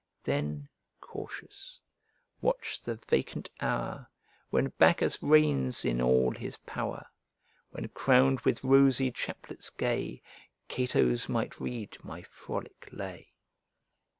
Then, cautious, watch the vacant hour, When Bacchus reigns in all his pow'r; When, crowned with rosy chaplets gay, Catos might read my frolic lay."